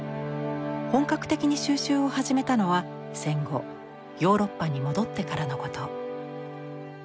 本格的に収集を始めたのは戦後ヨーロッパに戻ってからのこと。